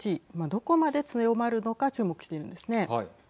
どこまで強まるのか注目しているんですね。